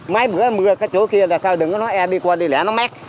mấy bữa mưa cái chỗ kia là sao đừng có nói e đi qua đi lẽ nó mắc